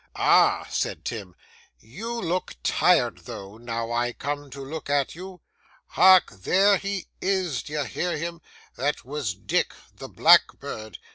'Ah!' said Tim, 'you look tired though, now I come to look at you. Hark! there he is, d'ye hear him? That was Dick, the blackbird.